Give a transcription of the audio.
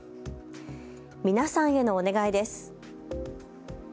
皆さんへのお願いです。